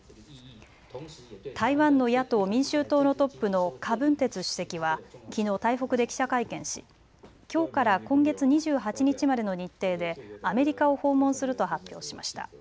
台湾の野党・民衆党のトップの柯文哲主席はきのう台北で記者会見しきょうから今月２８日までの日程でアメリカを訪問すると発表しました。